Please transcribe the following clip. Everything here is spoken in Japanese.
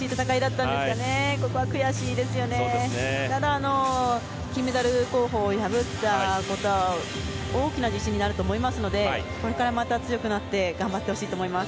ただ金メダル候補を破ったことは大きな自信になると思いますのでこれからまた強くなって頑張ってほしいと思います。